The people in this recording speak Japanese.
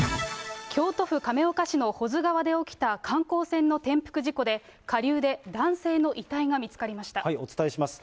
京都府亀岡市の保津川で起きた観光船の転覆事故で、下流で男性のお伝えします。